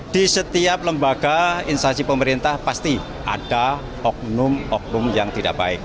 di setiap lembaga instansi pemerintah pasti ada oknum oknum yang tidak baik